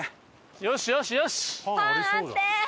よしよしよし！